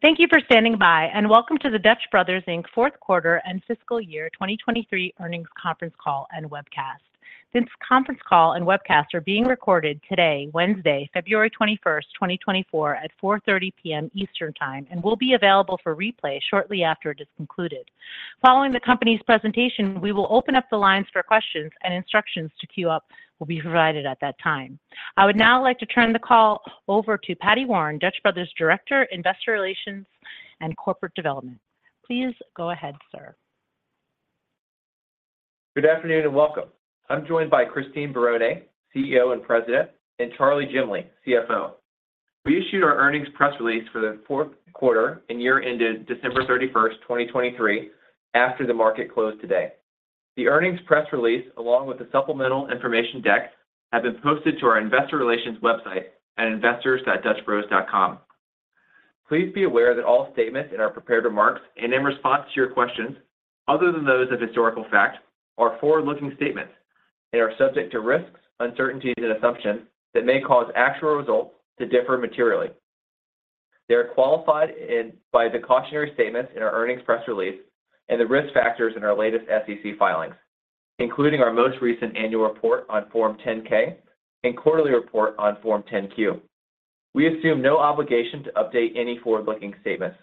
Thank you for standing by, and welcome to the Dutch Bros Inc. Q4 and Fiscal Year 2023 Earnings Conference Call and Webcast. This conference call and webcast are being recorded today, Wednesday, 21 February 2024, at 4:30 P.M. Eastern Time, and will be available for replay shortly after it is concluded. Following the company's presentation, we will open up the lines for questions, and instructions to queue up will be provided at that time. I would now like to turn the call over to Paddy Warren, Dutch Bros Director, Investor Relations and Corporate Development. Please go ahead, sir. Good afternoon, and welcome. I'm joined by Christine Barone, CEO and President, and Charley Jemley, CFO. We issued our earnings press release for the Q4 and year-ended December 31, 2023, after the market closed today. The earnings press release, along with the supplemental information deck, have been posted to our investor relations website at investors.dutchbros.com. Please be aware that all statements in our prepared remarks and in response to your questions, other than those of historical fact, are forward-looking statements and are subject to risks, uncertainties and assumptions that may cause actual results to differ materially. They are qualified in full by the cautionary statements in our earnings press release and the risk factors in our latest SEC filings, including our most recent annual report on Form 10-K and quarterly report on Form 10-Q. We assume no obligation to update any forward-looking statements.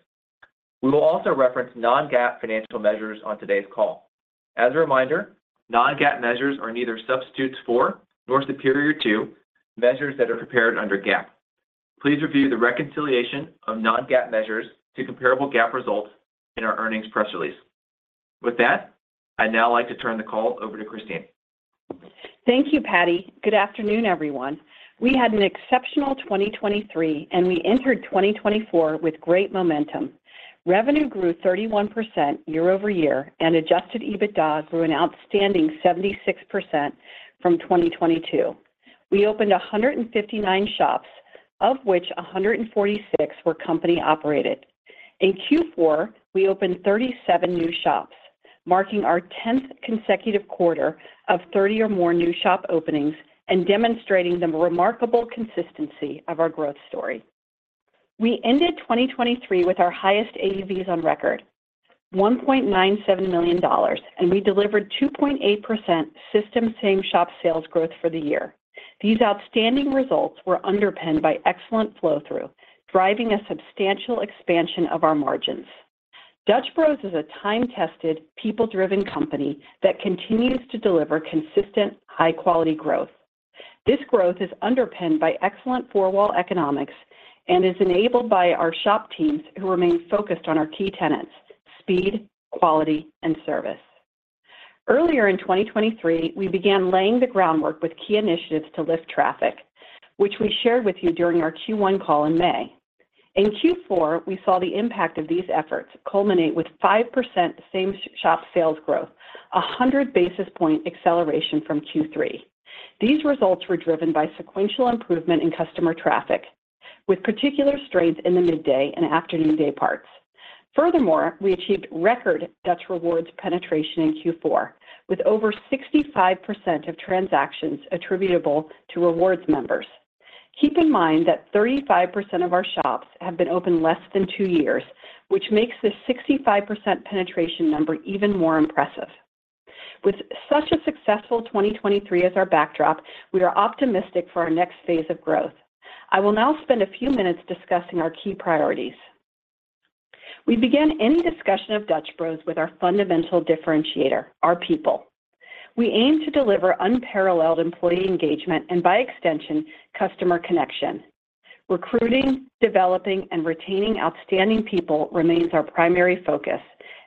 We will also reference non-GAAP financial measures on today's call. As a reminder, non-GAAP measures are neither substitutes for nor superior to measures that are prepared under GAAP. Please review the reconciliation of non-GAAP measures to comparable GAAP results in our earnings press release. With that, I'd now like to turn the call over to Christine. Thank you, Paddy. Good afternoon, everyone. We had an exceptional 2023, and we entered 2024 with great momentum. Revenue grew 31% year-over-year, and Adjusted EBITDA grew an outstanding 76% from 2022. We opened 159 shops, of which 146 were company operated. In Q4, we opened 37 new shops, marking our tenth consecutive quarter of 30 or more new shop openings and demonstrating the remarkable consistency of our growth story. We ended 2023 with our highest AUVs on record, $1.97 million, and we delivered 2.8% system same shop sales growth for the year. These outstanding results were underpinned by excellent flow-through, driving a substantial expansion of our margins. Dutch Bros is a time-tested, people-driven company that continues to deliver consistent, high-quality growth. This growth is underpinned by excellent four-wall economics and is enabled by our shop teams, who remain focused on our key tenets: speed, quality, and service. Earlier in 2023, we began laying the groundwork with key initiatives to lift traffic, which we shared with you during our Q1 call in May. In Q4, we saw the impact of these efforts culminate with 5% sameshop Sales growth, a 100 basis point acceleration from Q3. These results were driven by sequential improvement in customer traffic, with particular strength in the midday and afternoon dayparts. Furthermore, we achieved record Dutch Rewards penetration in Q4, with over 65% of transactions attributable to rewards members. Keep in mind that 35% of our shops have been open less than two years, which makes this 65% penetration number even more impressive. With such a successful 2023 as our backdrop, we are optimistic for our next phase of growth. I will now spend a few minutes discussing our key priorities. We begin any discussion of Dutch Bros with our fundamental differentiator, our people. We aim to deliver unparalleled employee engagement and, by extension, customer connection. Recruiting, developing, and retaining outstanding people remains our primary focus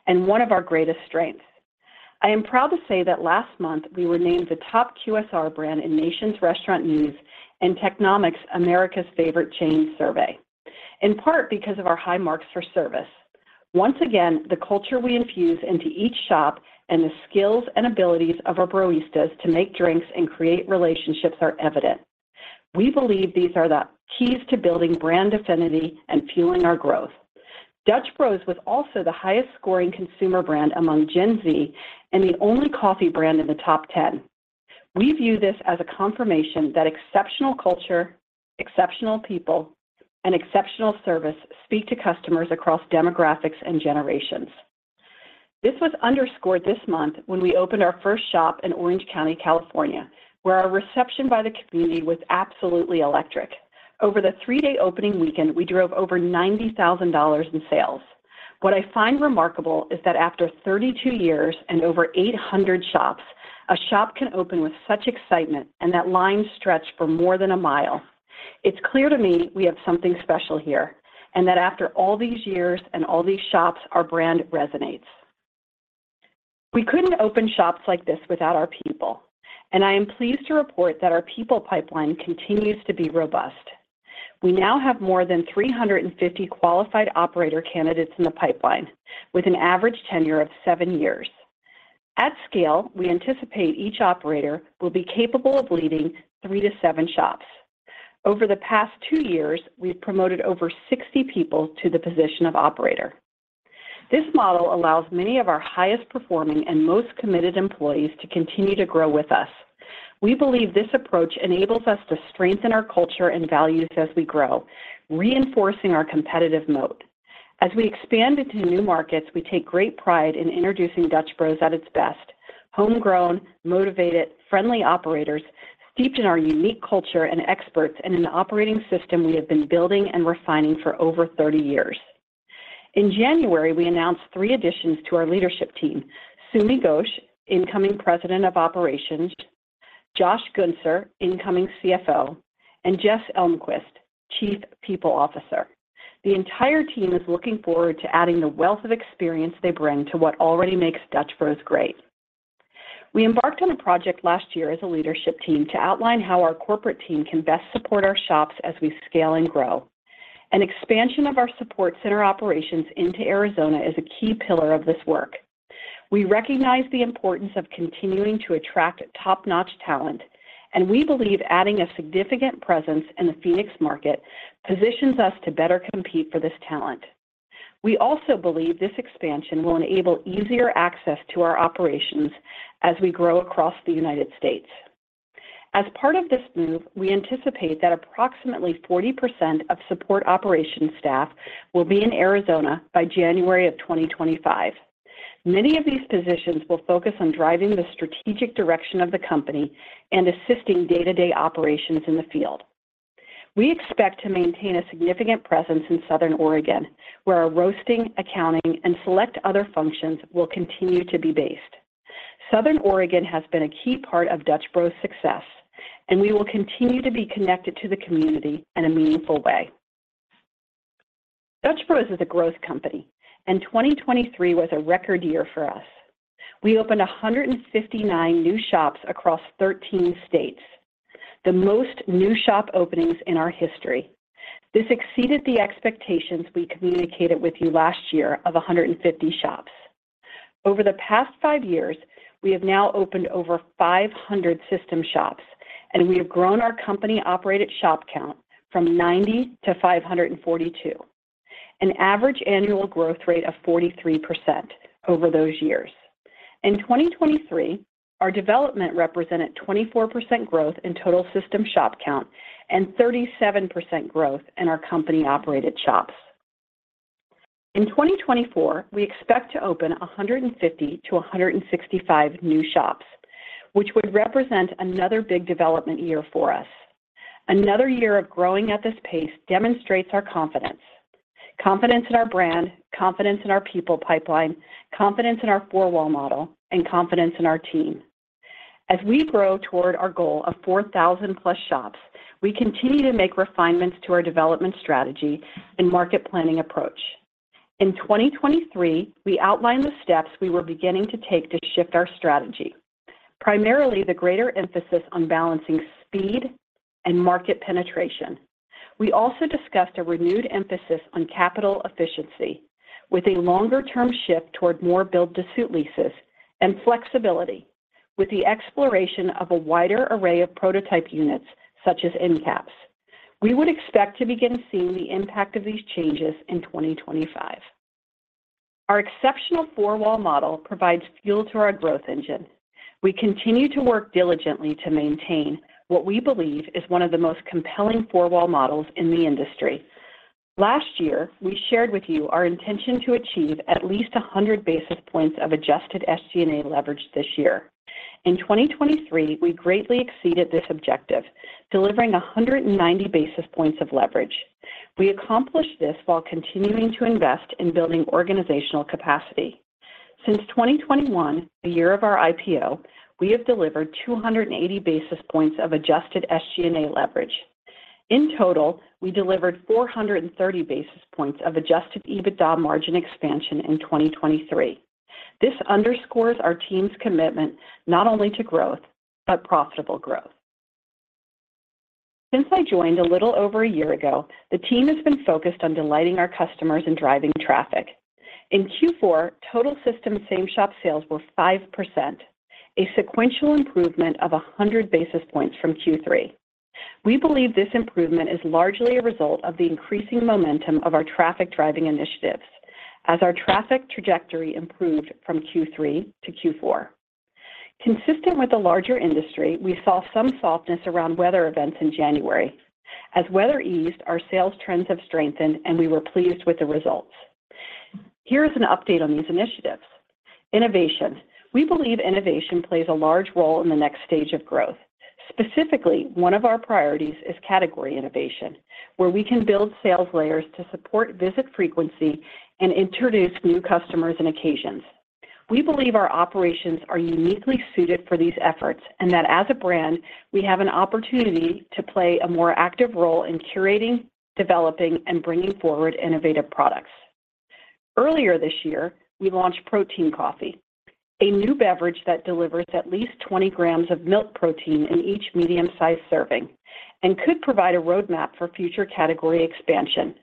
and one of our greatest strengths. I am proud to say that last month we were named the top QSR brand in Nation's Restaurant News and Technomic's America's Favorite Chain survey, in part because of our high marks for service. Once again, the culture we infuse into each shop and the skills and abilities of our baristas to make drinks and create relationships are evident. We believe these are the keys to building brand affinity and fueling our growth. Dutch Bros was also the highest-scoring consumer brand among Gen Z and the only coffee brand in the top 10. We view this as a confirmation that exceptional culture, exceptional people, and exceptional service speak to customers across demographics and generations. This was underscored this month when we opened our first shop in Orange County, California, where our reception by the community was absolutely electric. Over the three-day opening weekend, we drove over $90,000 in sales. What I find remarkable is that after 32 years and over 800 shops, a shop can open with such excitement and that lines stretch for more than a mile. It's clear to me we have something special here, and that after all these years and all these shops, our brand resonates. We couldn't open shops like this without our people, and I am pleased to report that our people pipeline continues to be robust. We now have more than 350 qualified operator candidates in the pipeline, with an average tenure of seven years. At scale, we anticipate each operator will be capable of leading three to seven shops. Over the past two years, we've promoted over 60 people to the position of operator.... This model allows many of our highest performing and most committed employees to continue to grow with us. We believe this approach enables us to strengthen our culture and values as we grow, reinforcing our competitive moat. As we expand into new markets, we take great pride in introducing Dutch Bros at its best. Homegrown, motivated, friendly operators, steeped in our unique culture and experts in an operating system we have been building and refining for over 30 years. In January, we announced 3 additions to our leadership team: Sumitro Ghosh, incoming President of Operations, Joshua Guenser, incoming CFO, and Jess Elmquist, Chief People Officer. The entire team is looking forward to adding the wealth of experience they bring to what already makes Dutch Bros great. We embarked on a project last year as a leadership team to outline how our corporate team can best support our shops as we scale and grow. An expansion of our support center operations into Arizona is a key pillar of this work. We recognize the importance of continuing to attract top-notch talent, and we believe adding a significant presence in the Phoenix market positions us to better compete for this talent. We also believe this expansion will enable easier access to our operations as we grow across the U.S.. As part of this move, we anticipate that approximately 40% of support operations staff will be in Arizona by January 2025. Many of these positions will focus on driving the strategic direction of the company and assisting day-to-day operations in the field. We expect to maintain a significant presence in Southern Oregon, where our roasting, accounting, and select other functions will continue to be based. Southern Oregon has been a key part of Dutch Bros' success, and we will continue to be connected to the community in a meaningful way. Dutch Bros is a growth company, and 2023 was a record year for us. We opened 159 new shops across 13 states, the most new shop openings in our history. This exceeded the expectations we communicated with you last year of 150 shops. Over the past five years, we have now opened over 500 system shops, and we have grown our company-operated shop count from 90 to 542. An average annual growth rate of 43% over those years. In 2023, our development represented 24% growth in total system shop count and 37% growth in our company-operated shops. In 2024, we expect to open 150-165 new shops, which would represent another big development year for us. Another year of growing at this pace demonstrates our confidence. Confidence in our brand, confidence in our people pipeline, confidence in our four wall model, and confidence in our team. As we grow toward our goal of 4,000+ shops, we continue to make refinements to our development strategy and market planning approach. In 2023, we outlined the steps we were beginning to take to shift our strategy, primarily the greater emphasis on balancing speed and market penetration. We also discussed a renewed emphasis on capital efficiency, with a longer-term shift toward more build-to-suit leases and flexibility, with the exploration of a wider array of prototype units, such as end caps. We would expect to begin seeing the impact of these changes in 2025. Our exceptional four-wall model provides fuel to our growth engine. We continue to work diligently to maintain what we believe is one of the most compelling four-wall models in the industry. Last year, we shared with you our intention to achieve at least 100 basis points of adjusted SG&A leverage this year. In 2023, we greatly exceeded this objective, delivering 190 basis points of leverage. We accomplished this while continuing to invest in building organizational capacity. Since 2021, the year of our IPO, we have delivered 280 basis points of adjusted SG&A leverage. In total, we delivered 430 basis points of adjusted EBITDA margin expansion in 2023. This underscores our team's commitment not only to growth, but profitable growth. Since I joined a little over a year ago, the team has been focused on delighting our customers and driving traffic. In Q4, total system same-shop sales were 5%, a sequential improvement of 100 basis points from Q3. We believe this improvement is largely a result of the increasing momentum of our traffic-driving initiatives as our traffic trajectory improved from Q3 to Q4. Consistent with the larger industry, we saw some softness around weather events in January. As weather eased, our sales trends have strengthened, and we were pleased with the results. Here is an update on these initiatives. Innovation. We believe innovation plays a large role in the next stage of growth. Specifically, one of our priorities is category innovation, where we can build sales layers to support visit frequency and introduce new customers and occasions. We believe our operations are uniquely suited for these efforts and that as a brand, we have an opportunity to play a more active role in curating, developing, and bringing forward innovative products. Earlier this year, we launched Protein Coffee, a new beverage that delivers at least 20 grams of milk protein in each medium-sized serving and could provide a roadmap for future category expansion.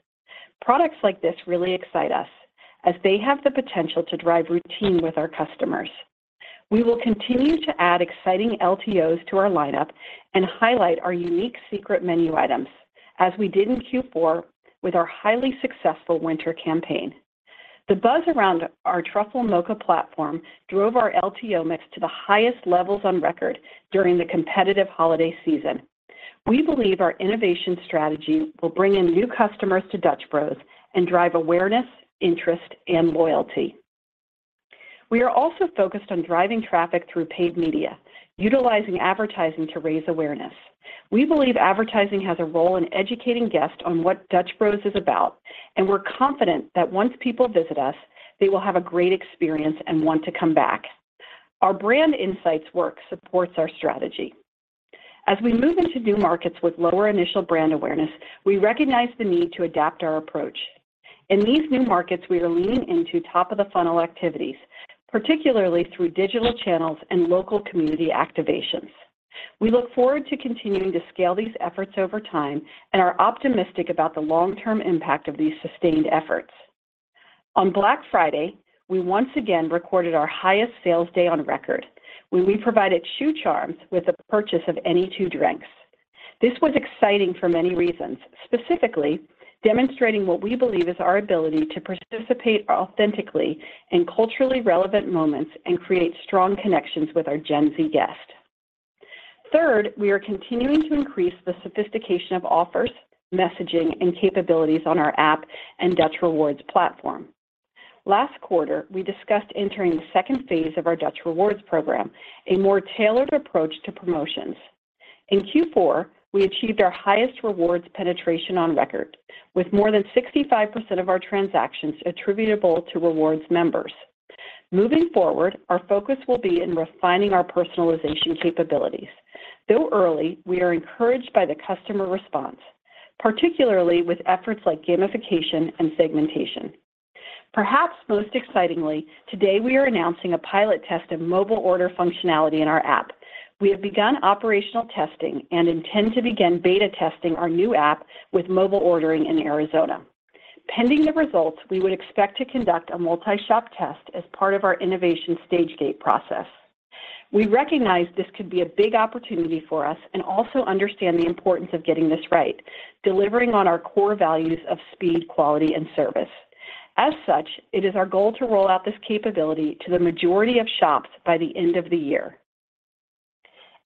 Products like this really excite us as they have the potential to drive routine with our customers. We will continue to add exciting LTOs to our lineup and highlight our unique secret menu items, as we did in Q4 with our highly successful winter campaign. The buzz around our Truffle Mocha platform drove our LTO mix to the highest levels on record during the competitive holiday season. We believe our innovation strategy will bring in new customers to Dutch Bros and drive awareness, interest, and loyalty. We are also focused on driving traffic through paid media, utilizing advertising to raise awareness. We believe advertising has a role in educating guests on what Dutch Bros is about, and we're confident that once people visit us, they will have a great experience and want to come back. Our brand insights work supports our strategy. As we move into new markets with lower initial brand awareness, we recognize the need to adapt our approach. In these new markets, we are leaning into top of the funnel activities, particularly through digital channels and local community activations. We look forward to continuing to scale these efforts over time and are optimistic about the long-term impact of these sustained efforts. On Black Friday, we once again recorded our highest sales day on record, where we provided shoe charms with a purchase of any two drinks. This was exciting for many reasons, specifically demonstrating what we believe is our ability to participate authentically in culturally relevant moments and create strong connections with our Gen Z guests. Third, we are continuing to increase the sophistication of offers, messaging, and capabilities on our app and Dutch Rewards platform. Last quarter, we discussed entering the second phase of our Dutch Rewards program, a more tailored approach to promotions. In Q4, we achieved our highest rewards penetration on record, with more than 65% of our transactions attributable to rewards members. Moving forward, our focus will be in refining our personalization capabilities. Though early, we are encouraged by the customer response, particularly with efforts like gamification and segmentation. Perhaps most excitingly, today we are announcing a pilot test of mobile order functionality in our app. We have begun operational testing and intend to begin beta testing our new app with mobile ordering in Arizona. Pending the results, we would expect to conduct a multi-shop test as part of our innovation stage gate process. We recognize this could be a big opportunity for us and also understand the importance of getting this right, delivering on our core values of speed, quality, and service. As such, it is our goal to roll out this capability to the majority of shops by the end of the year.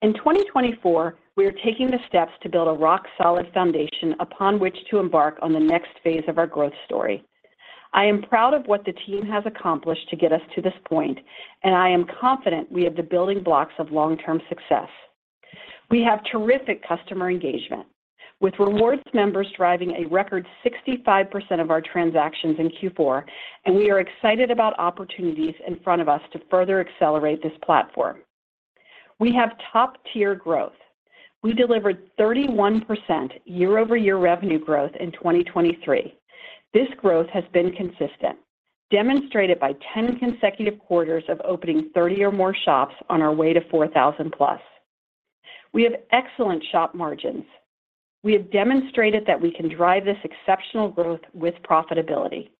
In 2024, we are taking the steps to build a rock-solid foundation upon which to embark on the next phase of our growth story. I am proud of what the team has accomplished to get us to this point, and I am confident we have the building blocks of long-term success. We have terrific customer engagement, with rewards members driving a record 65% of our transactions in Q4, and we are excited about opportunities in front of us to further accelerate this platform. We have top-tier growth. We delivered 31% year-over-year revenue growth in 2023. This growth has been consistent, demonstrated by 10 consecutive quarters of opening 30 or more shops on our way to 4,000+. We have excellent shop margins. We have demonstrated that we can drive this exceptional growth with profitability.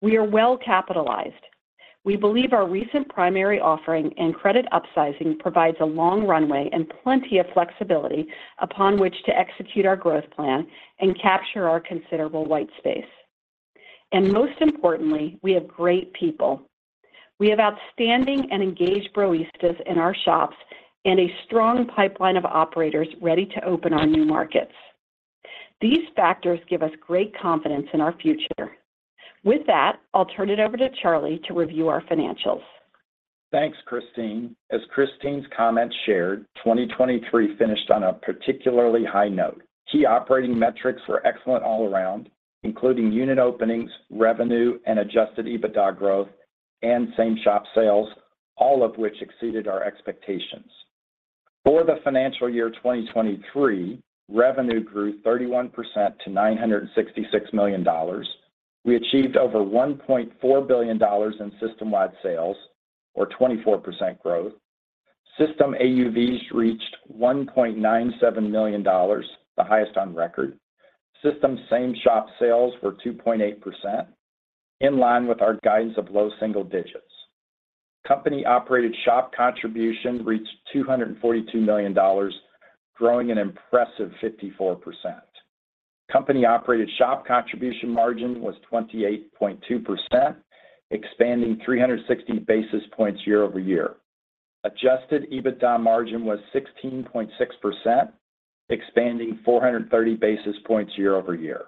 We are well capitalized. We believe our recent primary offering and credit upsizing provides a long runway and plenty of flexibility upon which to execute our growth plan and capture our considerable whitespace. And most importantly, we have great people. We have outstanding and engaged Broistas in our shops and a strong pipeline of operators ready to open our new markets. These factors give us great confidence in our future. With that, I'll turn it over to Charley to review our financials. Thanks, Christine. As Christine's comments shared, 2023 finished on a particularly high note. Key operating metrics were excellent all around, including unit openings, revenue, and Adjusted EBITDA growth, and same-shop sales, all of which exceeded our expectations. For the financial year 2023, revenue grew 31% to $966 million. We achieved over $1.4 billion in system-wide sales, or 24% growth. System AUVs reached $1.97 million, the highest on record. System same-shop sales were 2.8%, in line with our guidance of low single digits. Company-operated shop contribution reached $242 million, growing an impressive 54%. Company-operated shop contribution margin was 28.2%, expanding 360 basis points year over year. Adjusted EBITDA margin was 16.6%, expanding 430 basis points year-over-year.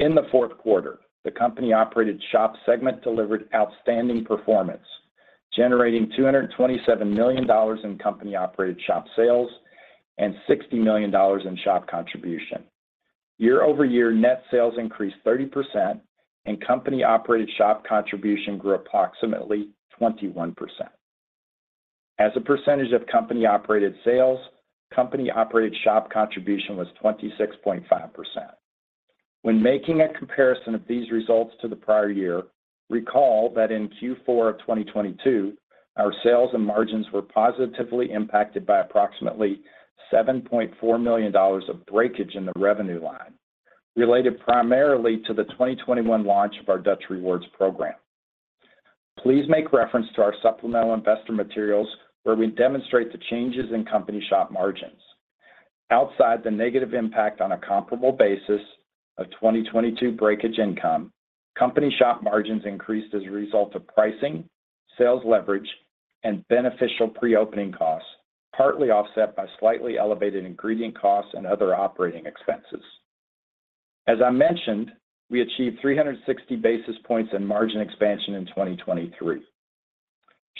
In the Q4, the company-operated shop segment delivered outstanding performance, generating $227 million in company-operated shop sales and $60 million in shop contribution. Year-over-year, net sales increased 30%, and company-operated shop contribution grew approximately 21%. As a percentage of company-operated sales, company-operated shop contribution was 26.5%. When making a comparison of these results to the prior year, recall that in Q4 of 2022, our sales and margins were positively impacted by approximately $7.4 million of breakage in the revenue line... related primarily to the 2021 launch of our Dutch Rewards program. Please make reference to our supplemental investor materials, where we demonstrate the changes in company shop margins. Outside the negative impact on a comparable basis of 2022 breakage income, company shop margins increased as a result of pricing, sales leverage, and beneficial pre-opening costs, partly offset by slightly elevated ingredient costs and other operating expenses. As I mentioned, we achieved 360 basis points in margin expansion in 2023.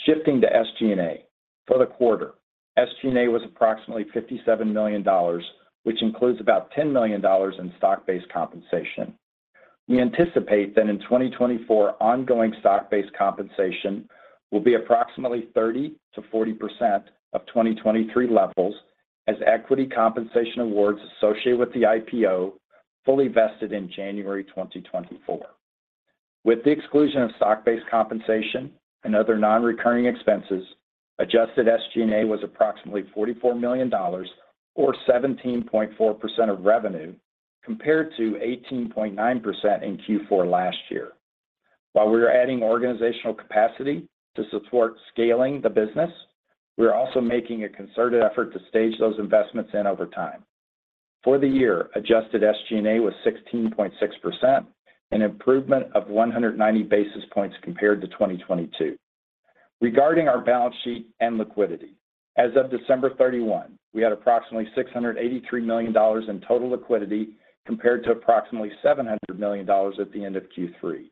Shifting to SG&A. For the quarter, SG&A was approximately $57 million, which includes about $10 million in stock-based compensation. We anticipate that in 2024, ongoing stock-based compensation will be approximately 30%-40% of 2023 levels, as equity compensation awards associated with the IPO fully vested in January 2024. With the exclusion of stock-based compensation and other non-recurring expenses, adjusted SG&A was approximately $44 million or 17.4% of revenue, compared to 18.9% in Q4 last year. While we are adding organizational capacity to support scaling the business, we are also making a concerted effort to stage those investments in over time. For the year, Adjusted SG&A was 16.6%, an improvement of 190 basis points compared to 2022. Regarding our balance sheet and liquidity, as of December 31, we had approximately $683 million in total liquidity, compared to approximately $700 million at the end of Q3.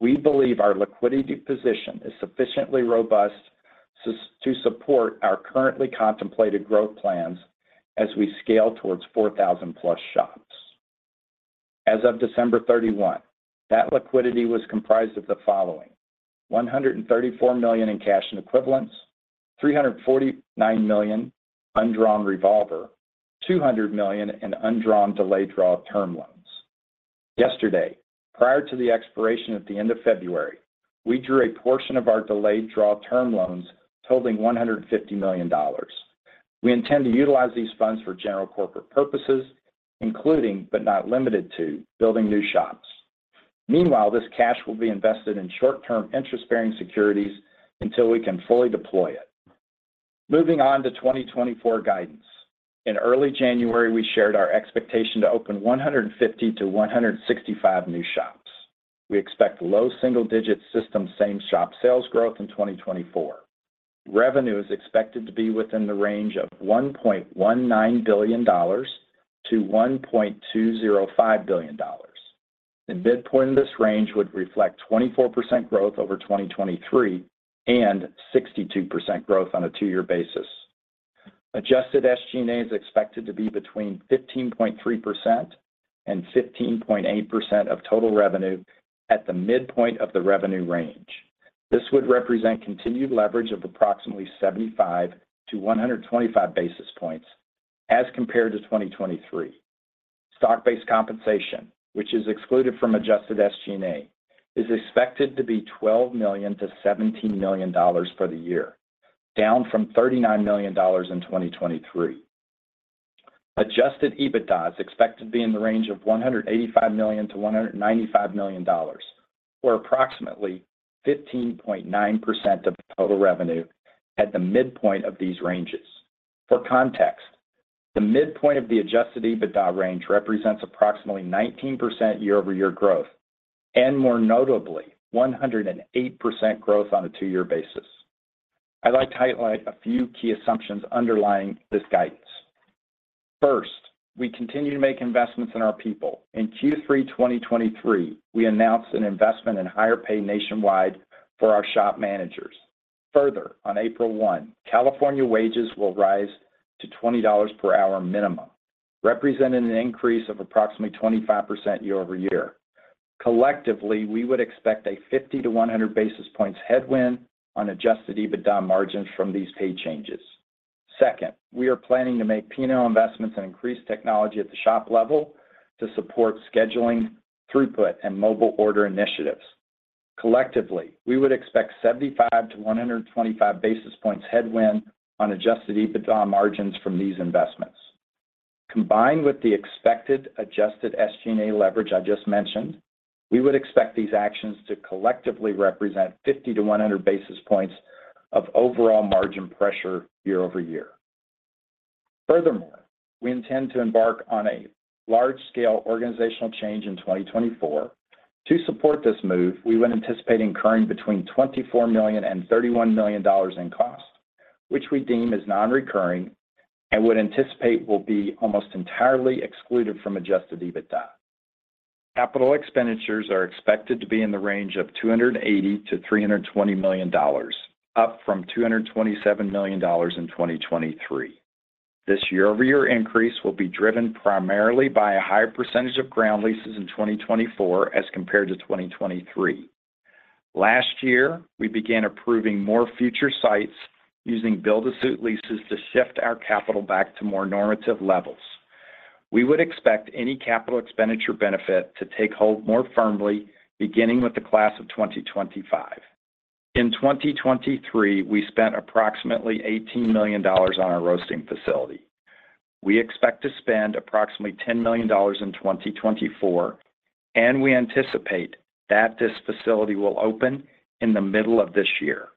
We believe our liquidity position is sufficiently robust to support our currently contemplated growth plans as we scale towards 4,000+ shops. As of December 31, that liquidity was comprised of the following: $134 million in cash and equivalents, $349 million undrawn revolver, $200 million in undrawn delayed draw term loans. Yesterday, prior to the expiration at the end of February, we drew a portion of our delayed draw term loans totaling $150 million. We intend to utilize these funds for general corporate purposes, including, but not limited to, building new shops. Meanwhile, this cash will be invested in short-term interest-bearing securities until we can fully deploy it. Moving on to 2024 guidance. In early January, we shared our expectation to open 150-165 new shops. We expect low single-digit system same shop sales growth in 2024. Revenue is expected to be within the range of $1.19 billion-$1.205 billion. The midpoint of this range would reflect 24% growth over 2023, and 62% growth on a two-year basis. Adjusted SG&A is expected to be between 15.3% and 15.8% of total revenue at the midpoint of the revenue range. This would represent continued leverage of approximately 75-125 basis points as compared to 2023. Stock-based compensation, which is excluded from adjusted SG&A, is expected to be $12 million-$17 million for the year, down from $39 million in 2023. Adjusted EBITDA is expected to be in the range of $185 million-$195 million, or approximately 15.9% of the total revenue at the midpoint of these ranges. For context, the midpoint of the adjusted EBITDA range represents approximately 19% year-over-year growth, and more notably, 108% growth on a two-year basis. I'd like to highlight a few key assumptions underlying this guidance. First, we continue to make investments in our people. In Q3 2023, we announced an investment in higher pay nationwide for our shop managers. Further, on April 1, California wages will rise to $20 per hour minimum, representing an increase of approximately 25% year-over-year. Collectively, we would expect a 50-100 basis points headwind on adjusted EBITDA margins from these pay changes. Second, we are planning to make P&L investments and increase technology at the shop level to support scheduling, throughput, and mobile order initiatives. Collectively, we would expect 75-125 basis points headwind on adjusted EBITDA margins from these investments. Combined with the expected adjusted SG&A leverage I just mentioned, we would expect these actions to collectively represent 50-100 basis points of overall margin pressure year-over-year. Furthermore, we intend to embark on a large-scale organizational change in 2024. To support this move, we would anticipate incurring between $24 million and $31 million in costs, which we deem as non-recurring and would anticipate will be almost entirely excluded from adjusted EBITDA. Capital expenditures are expected to be in the range of $280 million-$320 million, up from $227 million in 2023. This year-over-year increase will be driven primarily by a higher percentage of ground leases in 2024 as compared to 2023. Last year, we began approving more future sites using Build-to-Suit Leases to shift our capital back to more normative levels. We would expect any capital expenditure benefit to take hold more firmly, beginning with the class of 2025... In 2023, we spent approximately $18 million on our roasting facility. We expect to spend approximately $10 million in 2024, and we anticipate that this facility will open in the middle of this year.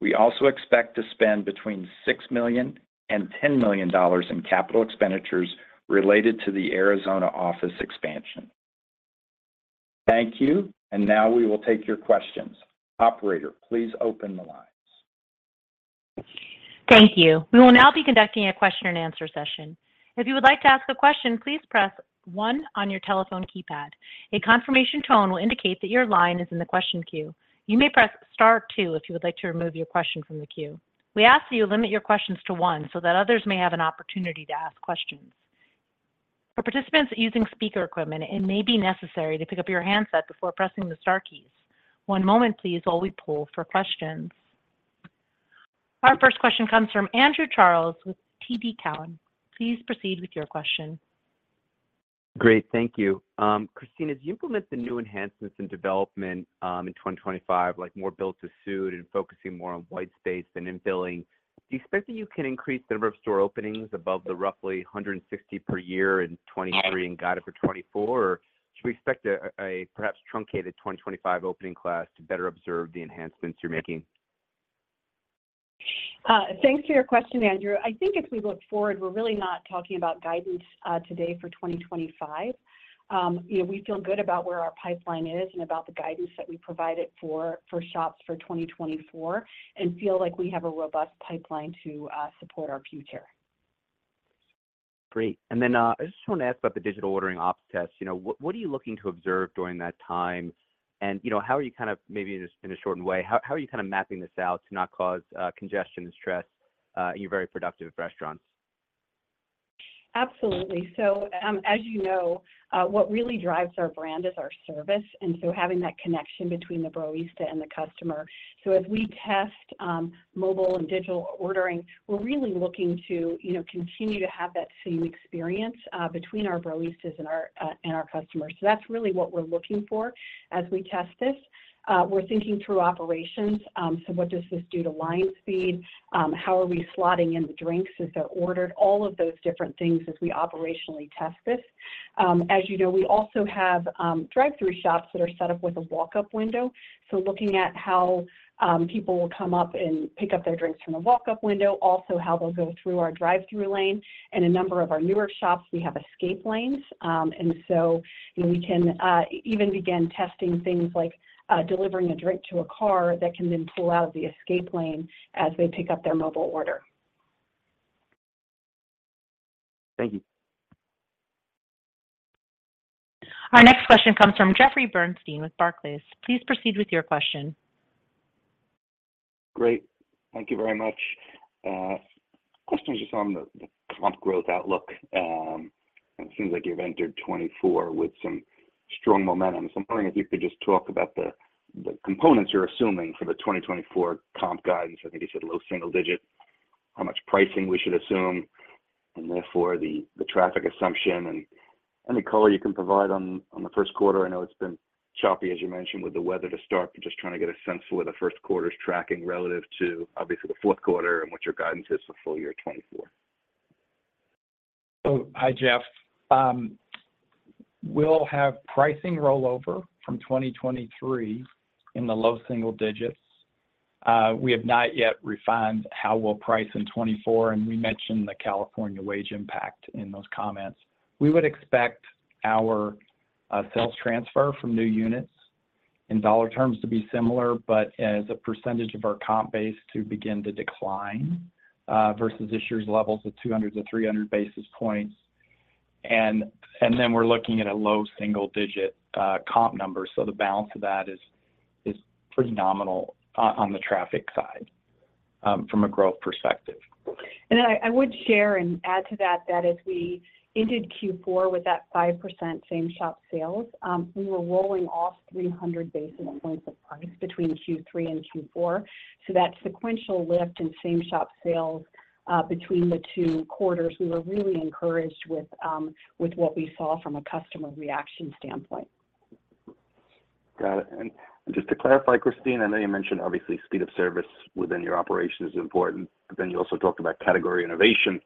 We also expect to spend between $6 million and $10 million in capital expenditures related to the Arizona office expansion. Thank you, and now we will take your questions. Operator, please open the lines. Thank you. We will now be conducting a question-and-answer session. If you would like to ask a question, please press one on your telephone keypad. A confirmation tone will indicate that your line is in the question queue. You may press star two if you would like to remove your question from the queue. We ask that you limit your questions to one, so that others may have an opportunity to ask questions. For participants using speaker equipment, it may be necessary to pick up your handset before pressing the star keys. One moment, please, while we poll for questions. Our first question comes from Andrew Charles with TD Cowen. Please proceed with your question. Great. Thank you. Christine, as you implement the new enhancements in development, in 2025, like more build-to-suit and focusing more on white space than infill, do you expect that you can increase the number of store openings above the roughly 160 per year in 2023 and guided for 2024, or should we expect a perhaps truncated 2025 opening class to better observe the enhancements you're making? Thanks for your question, Andrew. I think if we look forward, we're really not talking about guidance today for 2025. You know, we feel good about where our pipeline is and about the guidance that we provided for shops for 2024 and feel like we have a robust pipeline to support our future. Great. And then, I just want to ask about the digital ordering ops test. You know, what, what are you looking to observe during that time? And, you know, how are you kind of maybe in a, in a shortened way, how, how are you kind of mapping this out to not cause, congestion and stress, in your very productive restaurants? Absolutely. So, as you know, what really drives our brand is our service, and so having that connection between the barista and the customer. So as we test mobile and digital ordering, we're really looking to, you know, continue to have that same experience between our baristas and our customers. So that's really what we're looking for as we test this. We're thinking through operations. So what does this do to line speed? How are we slotting in the drinks as they're ordered? All of those different things as we operationally test this. As you know, we also have drive-through shops that are set up with a walk-up window. So looking at how people will come up and pick up their drinks from a walk-up window, also how they'll go through our drive-through lane. In a number of our newer shops, we have escape lanes, and so we can even begin testing things like delivering a drink to a car that can then pull out of the escape lane as they pick up their mobile order. Thank you. Our next question comes from Jeffrey Bernstein with Barclays. Please proceed with your question. Great. Thank you very much. Question just on the comp growth outlook. It seems like you've entered 2024 with some strong momentum. So I'm wondering if you could just talk about the components you're assuming for the 2024 comp guidance. I think you said low single digit, how much pricing we should assume, and therefore, the traffic assumption and any color you can provide on the Q1. I know it's been choppy, as you mentioned, with the weather to start, but just trying to get a sense for where the Q1 is tracking relative to, obviously, the Q4 and what your guidance is for full-year 2024. So hi, Jeff. We'll have pricing rollover from 2023 in the low single digits. We have not yet refined how we'll price in 2024, and we mentioned the California wage impact in those comments. We would expect our sales transfer from new units in dollar terms to be similar, but as a percentage of our comp base to begin to decline versus this year's levels of 200-300 basis points. And then we're looking at a low single-digit comp number, so the balance of that is pretty nominal on the traffic side from a growth perspective. I, I would share and add to that, that as we ended Q4 with that 5% same shop sales, we were rolling off 300 basis points of price between Q3 and Q4. So that sequential lift in same shop sales between the two quarters, we were really encouraged with, with what we saw from a customer reaction standpoint. Got it. Just to clarify, Christine, I know you mentioned obviously, speed of service within your operation is important, but then you also talked about category innovation,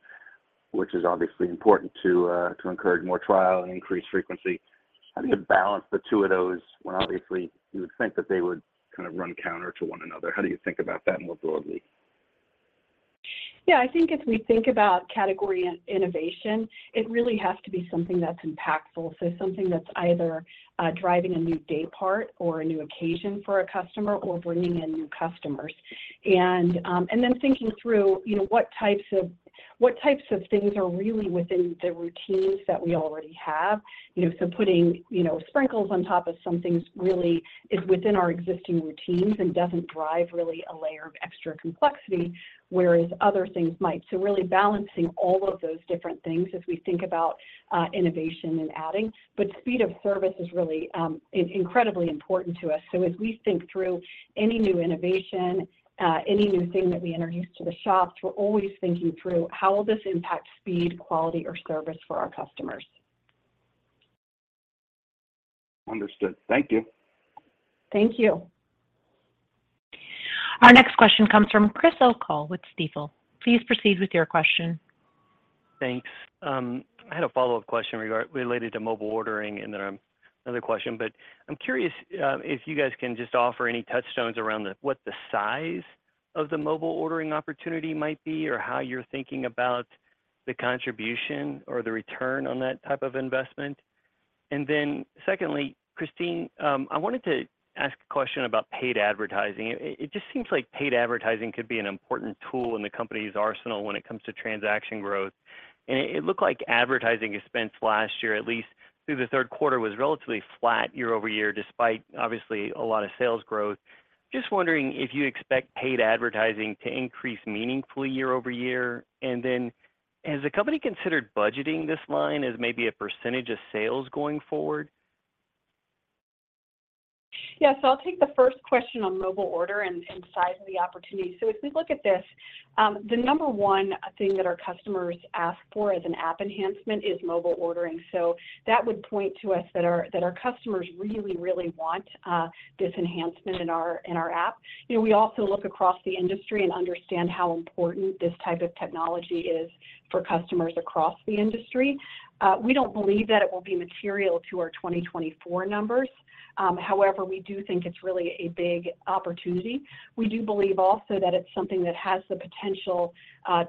which is obviously important to encourage more trial and increase frequency. How do you balance the two of those when obviously you would think that they would kind of run counter to one another? How do you think about that more broadly? Yeah, I think if we think about category and innovation, it really has to be something that's impactful. So something that's either driving a new day part or a new occasion for a customer or bringing in new customers. And, and then thinking through, you know, what types of, what types of things are really within the routines that we already have. You know, so putting, you know, sprinkles on top of something really is within our existing routines and doesn't drive really a layer of extra complexity, whereas other things might. So really balancing all of those different things as we think about innovation and adding. But speed of service is really incredibly important to us. So as we think through any new innovation, any new thing that we introduce to the shops, we're always thinking through how will this impact speed, quality, or service for our customers? ...Understood. Thank you. Thank you. Our next question comes from Chris O'Cull with Stifel. Please proceed with your question. Thanks. I had a follow-up question related to mobile ordering, and then another question. But I'm curious if you guys can just offer any touchstones around the, what the size of the mobile ordering opportunity might be, or how you're thinking about the contribution or the return on that type of investment? And then secondly, Christine, I wanted to ask a question about paid advertising. It just seems like paid advertising could be an important tool in the company's arsenal when it comes to transaction growth. And it looked like advertising expense last year, at least through the Q3, was relatively flat year-over-year, despite obviously a lot of sales growth. Just wondering if you expect paid advertising to increase meaningfully year-over-year. And then, has the company considered budgeting this line as maybe a percentage of sales going forward? Yeah. So I'll take the first question on mobile order and size of the opportunity. So if we look at this, the number one thing that our customers ask for as an app enhancement is mobile ordering. So that would point to us that our customers really, really want this enhancement in our app. You know, we also look across the industry and understand how important this type of technology is for customers across the industry. We don't believe that it will be material to our 2024 numbers. However, we do think it's really a big opportunity. We do believe also that it's something that has the potential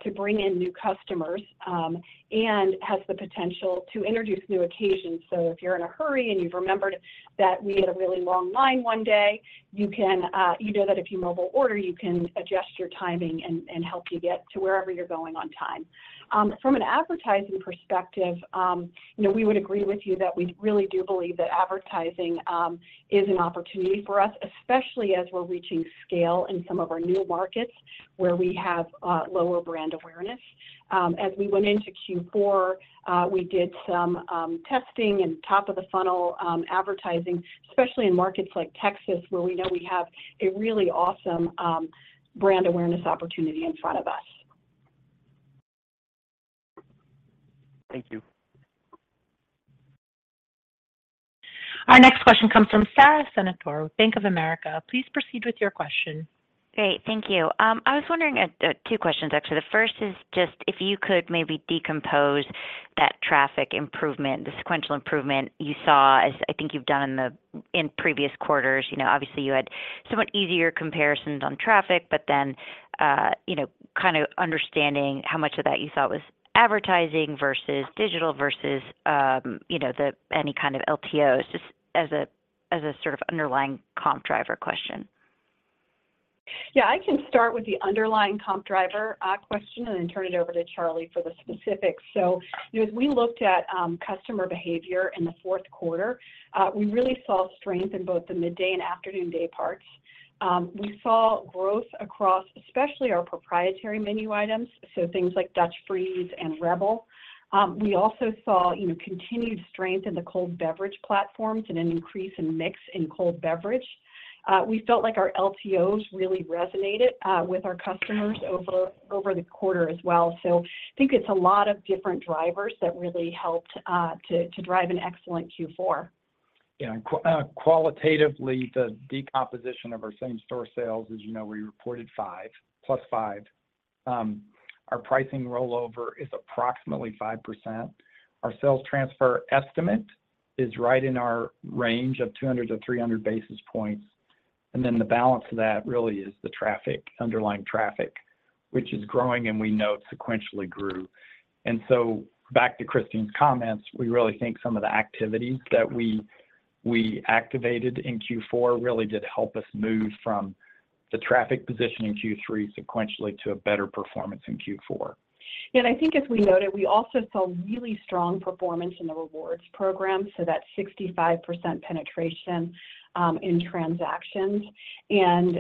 to bring in new customers and has the potential to introduce new occasions. So if you're in a hurry and you've remembered that we had a really long line one day, you can, you know that if you mobile order, you can adjust your timing and help you get to wherever you're going on time. From an advertising perspective, you know, we would agree with you that we really do believe that advertising is an opportunity for us, especially as we're reaching scale in some of our new markets where we have lower brand awareness. As we went into Q4, we did some testing and top of the funnel advertising, especially in markets like Texas, where we know we have a really awesome brand awareness opportunity in front of us. Thank you. Our next question comes from Sara Senatore with Bank of America. Please proceed with your question. Great. Thank you. I was wondering, two questions, actually. The first is just if you could maybe decompose that traffic improvement, the sequential improvement you saw, as I think you've done in previous quarters. You know, obviously, you had somewhat easier comparisons on traffic, but then, you know, kind of understanding how much of that you thought was advertising versus digital versus, you know, any kind of LTOs, just as a sort of underlying comp driver question. Yeah, I can start with the underlying comp driver question and then turn it over to Charley for the specifics. So, you know, as we looked at customer behavior in the Q4, we really saw strength in both the midday and afternoon day parts. We saw growth across, especially our proprietary menu items, so things like Dutch Freeze and Rebel. We also saw, you know, continued strength in the cold beverage platforms and an increase in mix in cold beverage. We felt like our LTOs really resonated with our customers over the quarter as well. So I think it's a lot of different drivers that really helped to drive an excellent Q4. Yeah, and qualitatively, the decomposition of our same-store sales, as you know, we reported 5 + 5. Our pricing rollover is approximately 5%. Our sales transfer estimate is right in our range of 200-300 basis points. And then the balance of that really is the traffic, underlying traffic, which is growing, and we know it sequentially grew. And so back to Christine's comments, we really think some of the activities that we activated in Q4 really did help us move from the traffic position in Q3 sequentially to a better performance in Q4. Yeah, and I think as we noted, we also saw really strong performance in the rewards program, so that 65% penetration in transactions. And,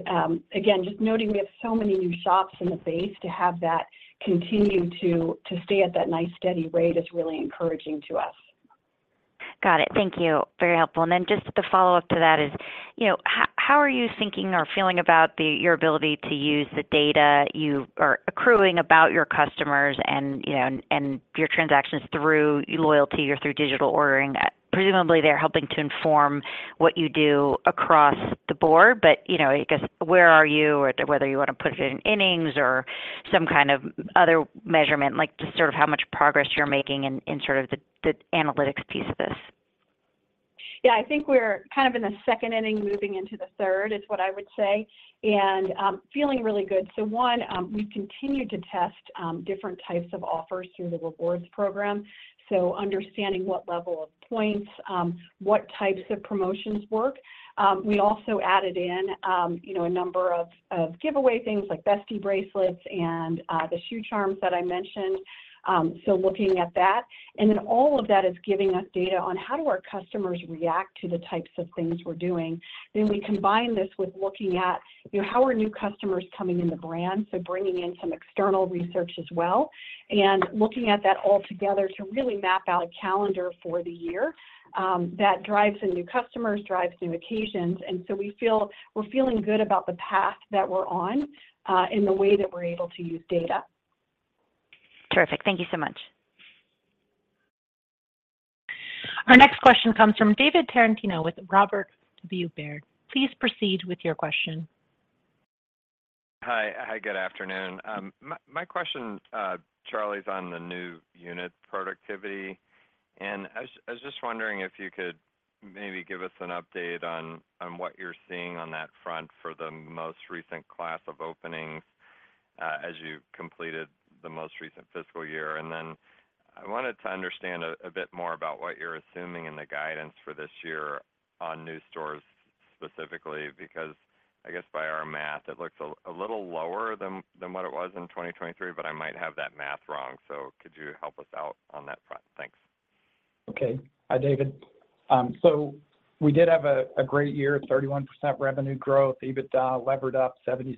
again, just noting we have so many new shops in the base to have that continue to stay at that nice, steady rate is really encouraging to us. Got it. Thank you. Very helpful. And then just the follow-up to that is, you know, how are you thinking or feeling about the, your ability to use the data you are accruing about your customers and, you know, your transactions through loyalty or through digital ordering? Presumably, they're helping to inform what you do across the board, but, you know, I guess, where are you or whether you want to put it in innings or some kind of other measurement, like, just sort of how much progress you're making in, in sort of the, the analytics piece of this. Yeah, I think we're kind of in the second inning, moving into the third, is what I would say, and feeling really good. So one, we've continued to test different types of offers through the rewards program, so understanding what level of points, what types of promotions work. We also added in, you know, a number of giveaway things like Bestie Bracelets and the shoe charms that I mentioned. So looking at that, and then all of that is giving us data on how do our customers react to the types of things we're doing. Then we combine this with looking at, you know, how are new customers coming in the brand, so bringing in some external research as well, and looking at that all together to really map out a calendar for the year, that drives some new customers, drives new occasions, and so we feel, we're feeling good about the path that we're on, and the way that we're able to use data.... Terrific. Thank you so much. Our next question comes from David Tarantino with Robert W. Baird. Please proceed with your question. Hi. Hi, good afternoon. My question, Charley, is on the new unit productivity. I was just wondering if you could maybe give us an update on what you're seeing on that front for the most recent class of openings, as you completed the most recent fiscal year. Then I wanted to understand a bit more about what you're assuming in the guidance for this year on new stores, specifically, because I guess by our math, it looks a little lower than what it was in 2023, but I might have that math wrong. So could you help us out on that front? Thanks. Okay. Hi, David. So we did have a great year, 31% revenue growth, EBITDA levered up 76%,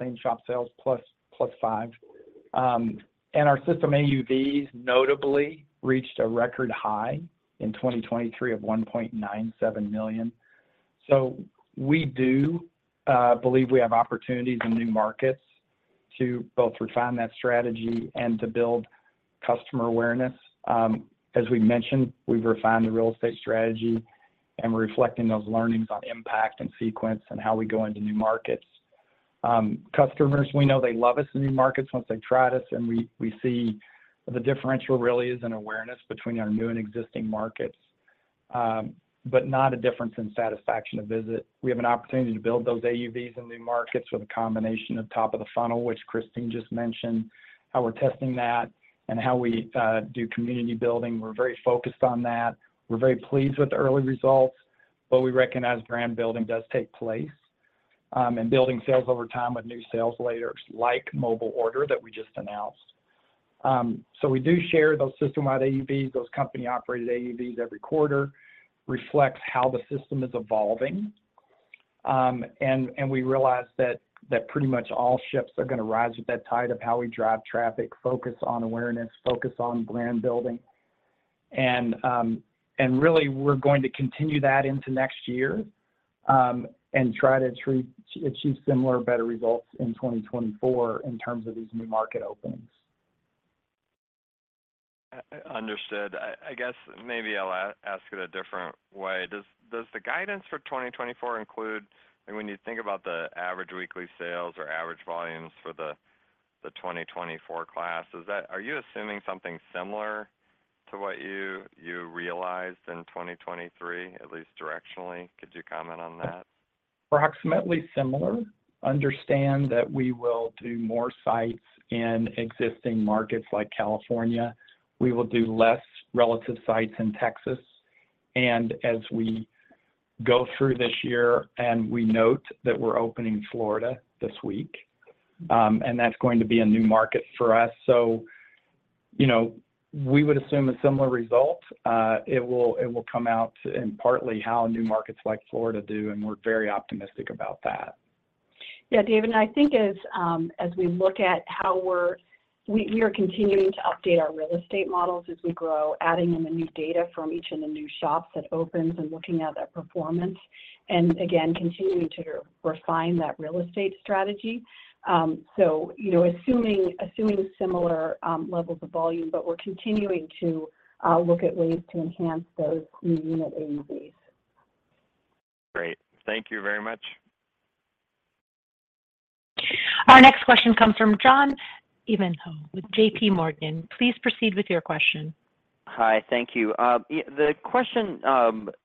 same-shop sales +5%. And our system AUVs notably reached a record high in 2023 of $1.97 million. So we do believe we have opportunities in new markets to both refine that strategy and to build customer awareness. As we mentioned, we've refined the real estate strategy and reflecting those learnings on impact and sequence and how we go into new markets. Customers, we know they love us in new markets once they've tried us, and we see the differential really is an awareness between our new and existing markets, but not a difference in satisfaction of visit. We have an opportunity to build those AUVs in new markets with a combination of top-of-the-funnel, which Christine just mentioned, how we're testing that and how we do community building. We're very focused on that. We're very pleased with the early results, but we recognize brand building does take place and building sales over time with new sales layers like mobile order that we just announced. So we do share those system-wide AUVs, those company-operated AUVs every quarter, reflects how the system is evolving. And we realize that pretty much all ships are going to rise with that tide of how we drive traffic, focus on awareness, focus on brand building. And really, we're going to continue that into next year and try to achieve similar or better results in 2024 in terms of these new market openings. Understood. I guess maybe I'll ask it a different way. Does the guidance for 2024 include... When you think about the average weekly sales or average volumes for the 2024 class, is that, are you assuming something similar to what you realized in 2023, at least directionally? Could you comment on that? Approximately similar. Understand that we will do more sites in existing markets like California. We will do less relative sites in Texas. And as we go through this year and we note that we're opening Florida this week, and that's going to be a new market for us. So, you know, we would assume a similar result. It will come out in partly how new markets like Florida do, and we're very optimistic about that. Yeah, David, and I think as we look at how we are continuing to update our real estate models as we grow, adding in the new data from each of the new shops that opens and looking at that performance, and again, continuing to refine that real estate strategy. So, you know, assuming similar levels of volume, but we're continuing to look at ways to enhance those new unit AUVs. Great. Thank you very much. Our next question comes from John Ivankoe with JP Morgan. Please proceed with your question. Hi, thank you. The question,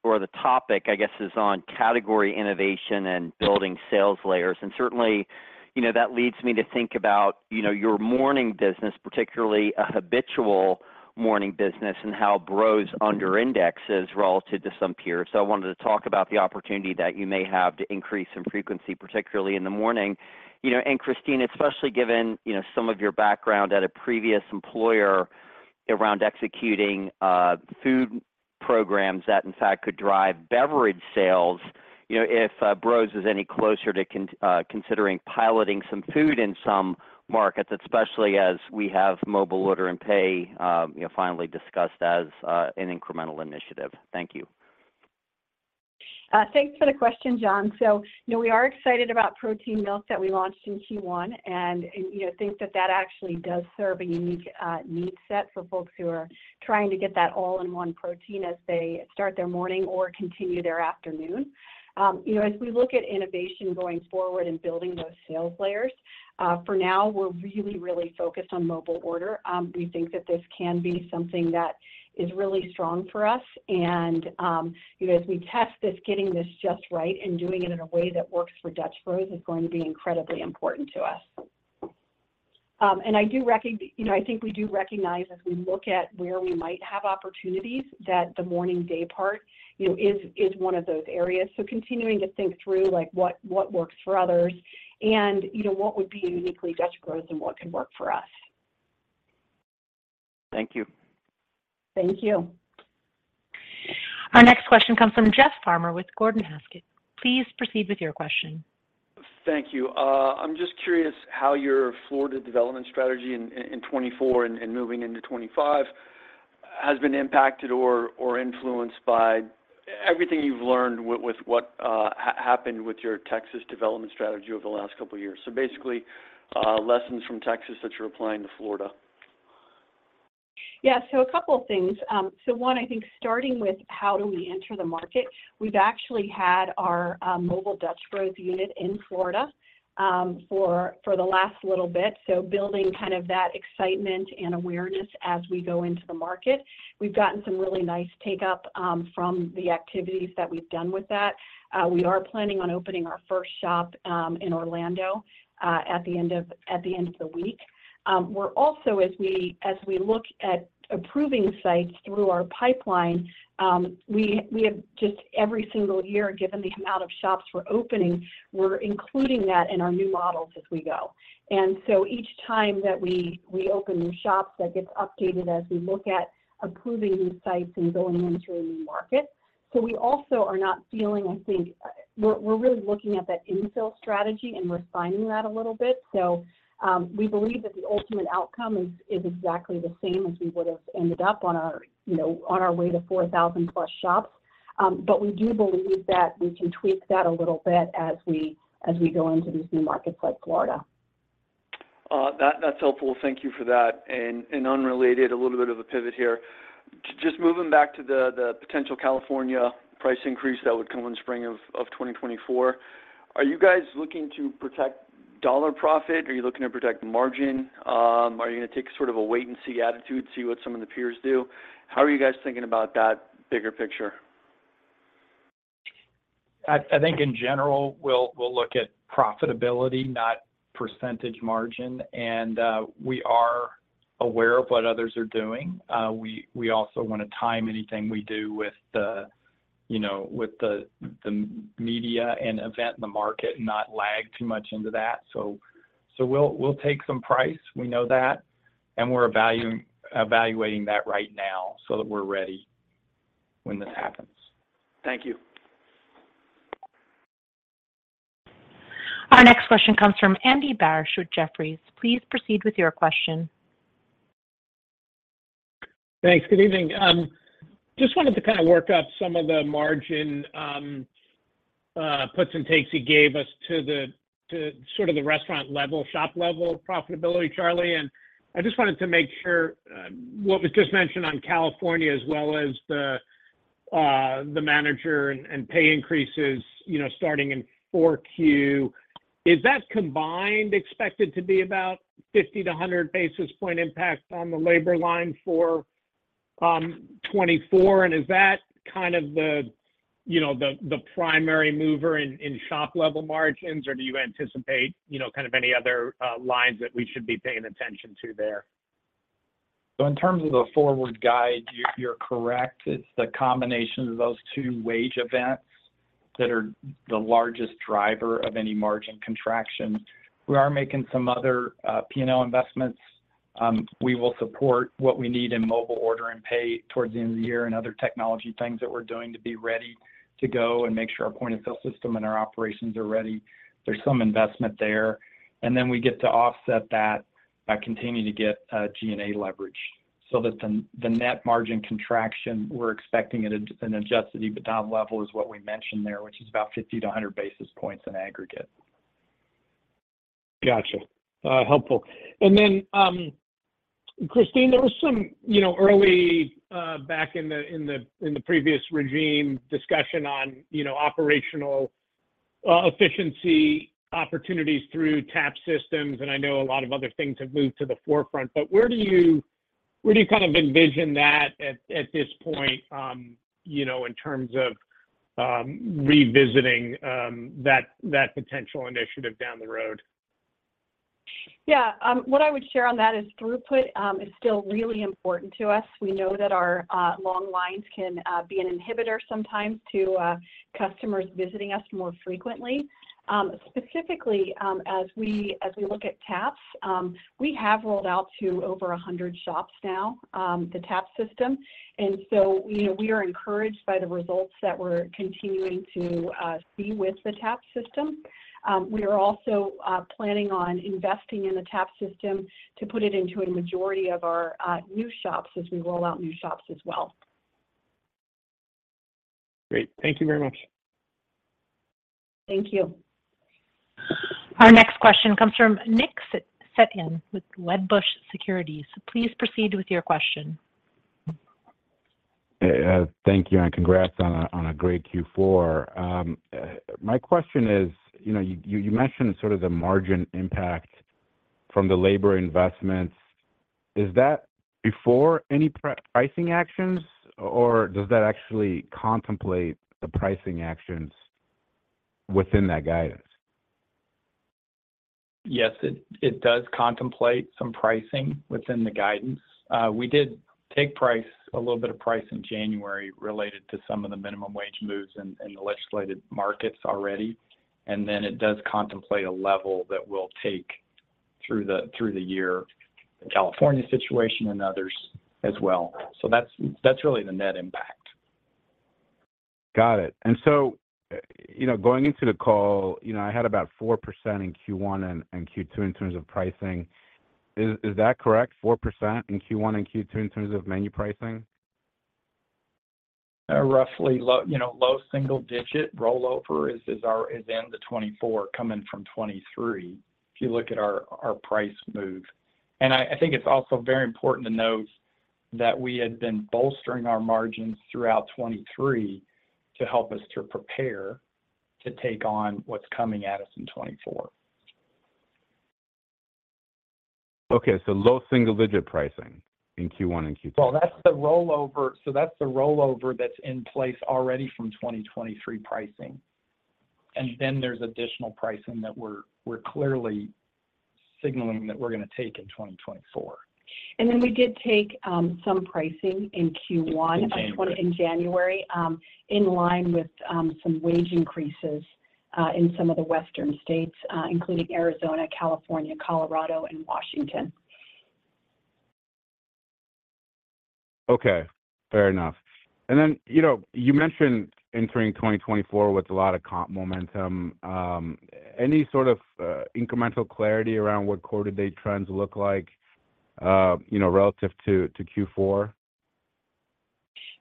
or the topic, I guess, is on category innovation and building sales layers. Certainly, you know, that leads me to think about, you know, your morning business, particularly a habitual morning business, and how Bros under-indexes relative to some peers. I wanted to talk about the opportunity that you may have to increase some frequency, particularly in the morning. You know, and Christine, especially given, you know, some of your background at a previous employer around executing food programs that, in fact, could drive beverage sales, you know, if Bros is any closer to considering piloting some food in some markets, especially as we have mobile order and pay, you know, finally discussed as an incremental initiative. Thank you. Thanks for the question, John. So, you know, we are excited about Protein Coffee that we launched in Q1, and, you know, think that that actually does serve a unique need set for folks who are trying to get that all-in-one protein as they start their morning or continue their afternoon. You know, as we look at innovation going forward and building those sales layers, for now, we're really, really focused on mobile order. We think that this can be something that is really strong for us. And, you know, as we test this, getting this just right and doing it in a way that works for Dutch Bros is going to be incredibly important to us. and I do recognize—you know, I think we do recognize as we look at where we might have opportunities, that the morning day part, you know, is one of those areas. So continuing to think through, like, what works for others and, you know, what would be uniquely Dutch Bros' and what can work for us. Thank you. Thank you. Our next question comes from Jeff Farmer with Gordon Haskett. Please proceed with your question. Thank you. I'm just curious how your Florida development strategy in 2024 and moving into 2025?... has been impacted or influenced by everything you've learned with what happened with your Texas development strategy over the last couple of years? So basically, lessons from Texas that you're applying to Florida. Yeah, so a couple of things. So one, I think starting with how do we enter the market, we've actually had our mobile Dutch Bros unit in Florida for the last little bit, so building kind of that excitement and awareness as we go into the market. We've gotten some really nice take-up from the activities that we've done with that. We are planning on opening our first shop in Orlando at the end of the week. We're also, as we look at approving sites through our pipeline, we have just every single year, given the amount of shops we're opening, we're including that in our new models as we go. Each time that we open new shops, that gets updated as we look at approving new sites and going into a new market. We also are not feeling, I think. We're really looking at that infill strategy, and we're refining that a little bit. We believe that the ultimate outcome is exactly the same as we would have ended up on our, you know, on our way to 4,000+ shops. But we do believe that we can tweak that a little bit as we go into these new markets like Florida. That's helpful. Thank you for that. And unrelated, a little bit of a pivot here. Just moving back to the potential California price increase that would come in spring of 2024, are you guys looking to protect dollar profit? Are you looking to protect margin? Are you gonna take sort of a wait-and-see attitude, see what some of the peers do? How are you guys thinking about that bigger picture? I think in general, we'll look at profitability, not percentage margin, and we are aware of what others are doing. We also wanna time anything we do with the, you know, with the media and event in the market, not lag too much into that. So we'll take some price, we know that, and we're evaluating that right now so that we're ready when this happens. Thank you. Our next question comes from Andy Barish with Jefferies. Please proceed with your question. Thanks. Good evening. Just wanted to kind of work up some of the margin puts and takes you gave us to the, to sort of the restaurant level, shop-level profitability, Charley. And I just wanted to make sure what was just mentioned on California, as well as the manager and pay increases, you know, starting in 4Q, is that combined expected to be about 50-100 basis point impact on the labor line for 2024? And is that kind of the, you know, the primary mover in shop-level margins, or do you anticipate, you know, kind of any other lines that we should be paying attention to there? So in terms of the forward guide, you, you're correct. It's the combination of those two wage events that are the largest driver of any margin contraction. We are making some other P&L investments. We will support what we need in mobile order and pay towards the end of the year and other technology things that we're doing to be ready to go and make sure our point-of-sale system and our operations are ready. There's some investment there, and then we get to offset that by continuing to get G&A leverage so that the net margin contraction we're expecting it at an Adjusted EBITDA level is what we mentioned there, which is about 50-100 basis points in aggregate. Gotcha. Helpful. And then, Christine, there was some, you know, early, back in the previous regime, discussion on, you know, operational efficiency opportunities through tap systems, and I know a lot of other things have moved to the forefront, but where do you kind of envision that at this point, you know, in terms of revisiting that potential initiative down the road? Yeah, what I would share on that is throughput is still really important to us. We know that our long lines can be an inhibitor sometimes to customers visiting us more frequently. Specifically, as we, as we look at taps, we have rolled out to over 100 shops now, the tap system. And so, you know, we are encouraged by the results that we're continuing to see with the tap system. We are also planning on investing in the tap system to put it into a majority of our new shops as we roll out new shops as well. Great. Thank you very much. Thank you. Our next question comes from Nick Setyan with Wedbush Securities. Please proceed with your question. Thank you, and congrats on a great Q4. My question is, you know, you mentioned sort of the margin impact from the labor investments. Is that before any pricing actions, or does that actually contemplate the pricing actions within that guidance? Yes, it does contemplate some pricing within the guidance. We did take price, a little bit of price in January related to some of the minimum wage moves in the legislated markets already, and then it does contemplate a level that will take through the year, the California situation and others as well. So that's really the net impact.... Got it. You know, going into the call, you know, I had about 4% in Q1 and Q2 in terms of pricing. Is that correct? 4% in Q1 and Q2 in terms of menu pricing? Roughly low, you know, low single digit rollover is in the 2024, coming from 2023, if you look at our price move. And I think it's also very important to note that we had been bolstering our margins throughout 2023 to help us to prepare to take on what's coming at us in 2024. Okay, so low single-digit pricing in Q1 and Q2. Well, that's the rollover. So that's the rollover that's in place already from 2023 pricing. And then there's additional pricing that we're clearly signaling that we're gonna take in 2024. Then we did take some pricing in Q1- In January... in January, in line with some wage increases in some of the western states, including Arizona, California, Colorado, and Washington. Okay, fair enough. And then, you know, you mentioned entering 2024 with a lot of comp momentum. Any sort of incremental clarity around what quarter-to-date trends look like, you know, relative to Q4?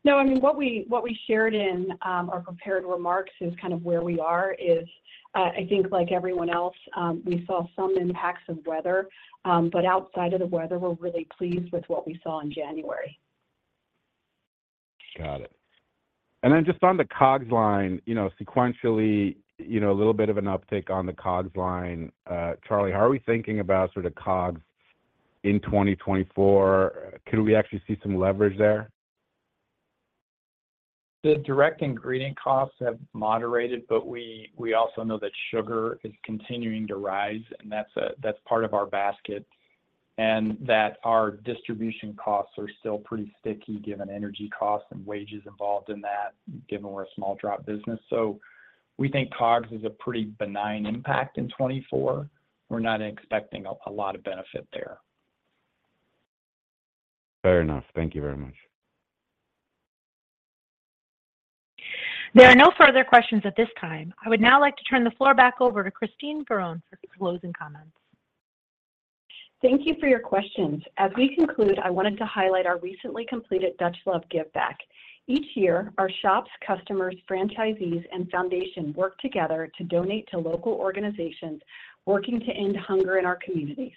No, I mean, what we shared in our prepared remarks is kind of where we are. I think like everyone else, we saw some impacts of weather. But outside of the weather, we're really pleased with what we saw in January. Got it. Then just on the COGS line, you know, sequentially, you know, a little bit of an uptick on the COGS line. Charlie, how are we thinking about sort of COGS in 2024? Could we actually see some leverage there? The direct ingredient costs have moderated, but we also know that sugar is continuing to rise, and that's that's part of our basket. And that our distribution costs are still pretty sticky, given energy costs and wages involved in that, given we're a small drop business. So we think COGS is a pretty benign impact in 2024. We're not expecting a lot of benefit there. Fair enough. Thank you very much. There are no further questions at this time. I would now like to turn the floor back over to Christine Barone for closing comments. Thank you for your questions. As we conclude, I wanted to highlight our recently completed Dutch Luv Give Back. Each year, our shops, customers, franchisees, and foundation work together to donate to local organizations working to end hunger in our communities.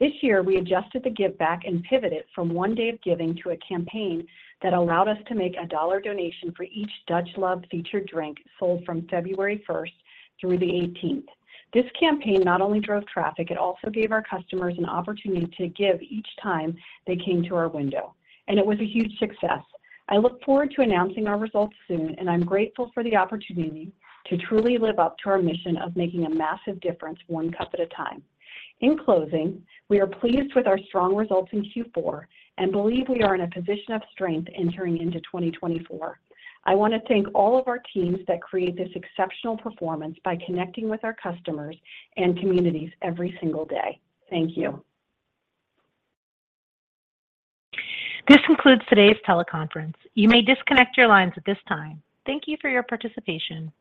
This year, we adjusted the give back and pivoted from one day of giving to a campaign that allowed us to make a $1 donation for each Dutch Luv featured drink sold from February first through the eighteenth. This campaign not only drove traffic, it also gave our customers an opportunity to give each time they came to our window, and it was a huge success. I look forward to announcing our results soon, and I'm grateful for the opportunity to truly live up to our mission of making a massive difference, one cup at a time. In closing, we are pleased with our strong results in Q4 and believe we are in a position of strength entering into 2024. I want to thank all of our teams that create this exceptional performance by connecting with our customers and communities every single day. Thank you. This concludes today's teleconference. You may disconnect your lines at this time. Thank you for your participation.